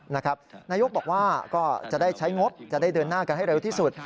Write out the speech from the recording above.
นายกบอกว่าก็จะได้ใช้งบจะได้เดินหน้ากันให้เร็วที่สุด